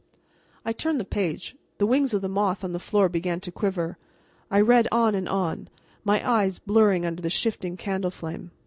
I turned the page. The wings of the moth on the floor began to quiver. I read on and on, my eyes blurring under the shifting candle flame.